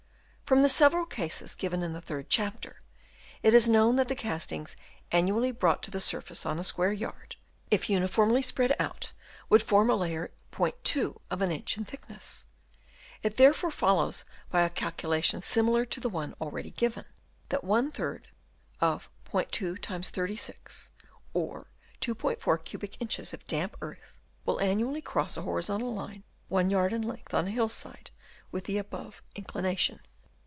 From the several cases given in the third chapter, it is known that the castings annually brought to the surface on a square yard, if uniformly spread out would form a layer '2 of an inch in thickness : it therefore follows by a calculation similar to the one already given, that ^ of '2 x 36, or 2*4 cubic inches of damp earth will annually cross a horizontal line one yard in length on a hill side with the above inclination.